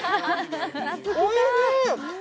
おいしい。